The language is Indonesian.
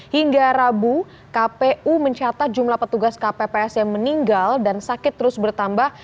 hingga rabu kpu mencatat jumlah petugas kpps yang meninggal dan sakit terus bertambah